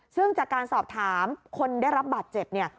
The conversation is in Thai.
ซึ่งจากการสอบถามคนได้รับบาดเจ็บเนี่ย